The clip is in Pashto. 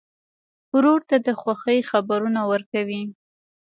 ورور ته د خوښۍ خبرونه ورکوې.